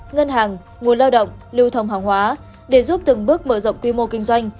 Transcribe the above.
ngân hàng nguồn lao động lưu thông hàng hóa để giúp từng bước mở rộng quy mô kinh doanh